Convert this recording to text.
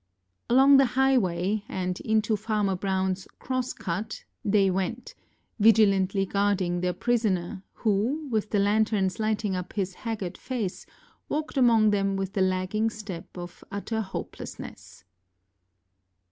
Along the highway, and into Farmer BrownŌĆÖs ŌĆ£cross cut, ŌĆØ they went, vigilantly guarding their prisoner, who, with the lanterns lighting up his haggard face, walked among them with the lagging step of utter hopelessness.